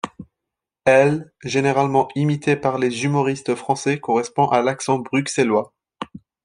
L' généralement imité par les humoristes français correspond à l'accent bruxellois.